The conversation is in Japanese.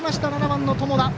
７番の友田。